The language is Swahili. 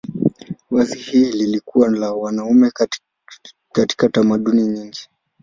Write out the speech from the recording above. Vazi hili lilikuwa la wanaume katika tamaduni nyingi.